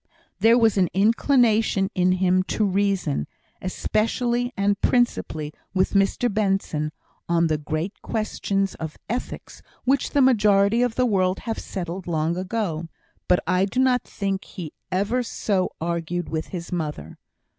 There was an inclination in him to reason, especially and principally with Mr Benson, on the great questions of ethics which the majority of the world have settled long ago. But I do not think he ever so argued with his mother.